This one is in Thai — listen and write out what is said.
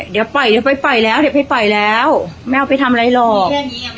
เดี๋ยวไปเดี๋ยวไปไปแล้วเดี๋ยวไปไปแล้วไม่เอาไปทำอะไรหรอก